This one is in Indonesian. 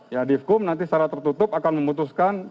ya di fkum nanti secara tertutup akan memutuskan